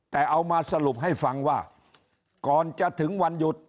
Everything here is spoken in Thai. แต่เอามาสรุปให้ฟังว่าก่อนจะถึงวันหยุด